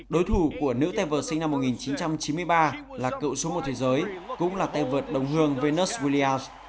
đối thủ của nữ tay vượt sinh năm một nghìn chín trăm chín mươi ba là cựu số một thế giới cũng là tay vượt đồng hương venus williams